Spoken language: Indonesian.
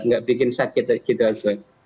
nggak bikin sakit gitu aja